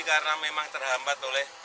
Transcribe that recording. karena memang terhambat oleh